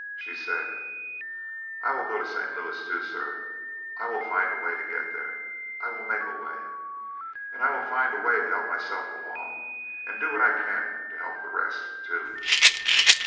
She said: "I will go to St. Louis, too, sir. I will find a way to get there. I will make a way. And I will find a way to help myself along, and do what I can to help the rest, too."